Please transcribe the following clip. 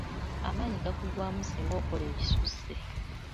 Amaanyi gakuggwaamu singa okola ekisusse.